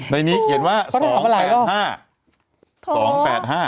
ในนี้เขาเขียนว่า๒๘๕